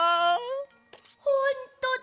ほんとだ！